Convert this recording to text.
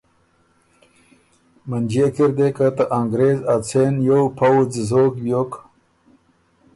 منجئے کی ر دې که ته انګرېز ا څېن نیوو پؤځ زوک بیوک